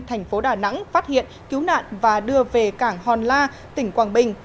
thành phố đà nẵng phát hiện cứu nạn và đưa về cảng hòn la tỉnh quảng bình